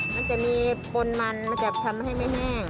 มันจะมีปนมันมันจะทำให้ไม่แห้ง